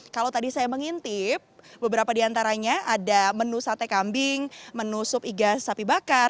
kalau tadi saya mengintip beberapa diantaranya ada menu sate kambing menu sup iga sapi bakar